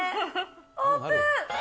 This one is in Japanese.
オープン。